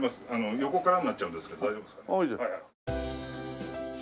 横からになっちゃうんですけど大丈夫ですか？